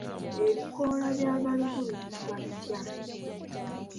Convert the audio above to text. Ebikoola bya balugu biyitibwa bitya?